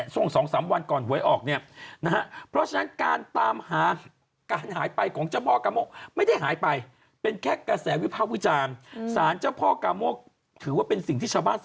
ตอนเย็นควรยังไหว้กันอยู่ไม่มีสารแล้วเนี่ย